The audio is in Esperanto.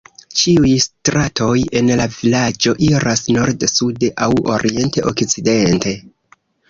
Ĉiuj stratoj en la vilaĝo iras nord-sude aŭ orient-okcidente.